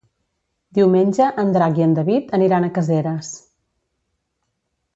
Diumenge en Drac i en David aniran a Caseres.